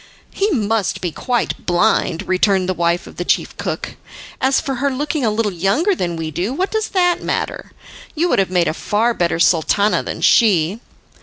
"He must be quite blind," returned the wife of the chief cook. "As for her looking a little younger than we do, what does that matter? You would have made a far better Sultana than she."